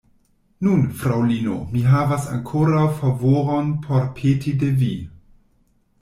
Nun, fraŭlino, mi havas ankoraŭ favoron por peti de vi.